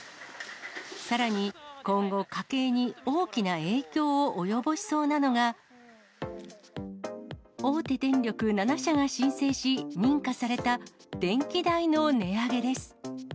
さらに、今後、家計に大きな影響を及ぼしそうなのが、大手電力７社が申請し、認可された電気代の値上げです。